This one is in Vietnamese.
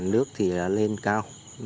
nước thì lên cao